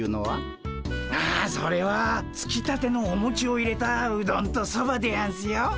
あそれはつきたてのおもちを入れたうどんとそばでやんすよ。